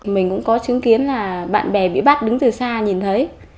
mình cũng có chứng kiến là bạn bè bị bắt đứng từ xa nhìn thấy